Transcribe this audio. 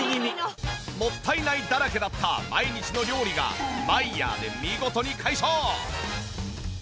もったいないだらけだった毎日の料理がマイヤーで見事に解消！